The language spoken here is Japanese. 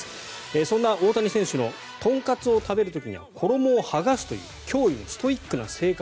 そんな大谷選手の豚カツを食べる時には衣を剥がすという驚異のストイックな生活。